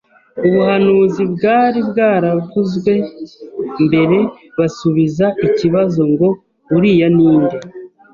ubuhanuzi bwari bwaravuzwe mbere basubiza ikibazo ngo: «Uriya ninde?